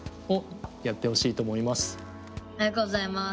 ありがとうございます。